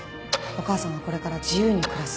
「お母さんはこれから自由に暮らす」。